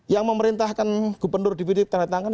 yang memerintahkan gubernur di pdt ditandatangani